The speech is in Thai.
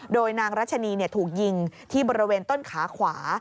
โดยนางรัชนีถูกยิงที่บริเวณต้นขาขวา